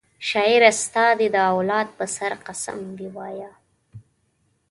شاعره ستا دي د اولاد په سر قسم وي وایه